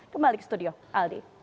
kembali ke studio aldi